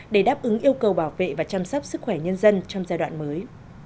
để đáp ứng yêu cầu bảo vệ và chăm sóc sức khỏe nhân dân trong giai đoạn mới